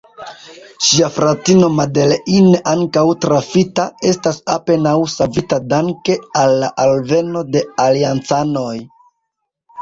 Ŝia fratino Madeleine, ankaŭ trafita, estas apenaŭ savita danke al la alveno de Aliancanoj.